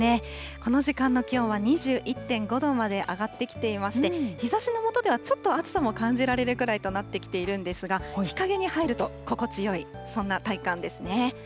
この時間の気温は２１．５度まで上がってきていまして、日ざしの下では、ちょっと暑さも感じられるくらいとなってきているんですが、日陰に入ると心地よい、そんな体感ですね。